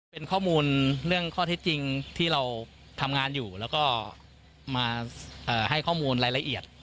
เป็นข้อมูลเรื่องข้อเท็จจริงที่เราทำงานอยู่แล้วก็มาให้ข้อมูลรายละเอียด